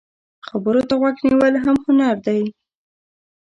خبرو ته غوږ نیول هم هنر دی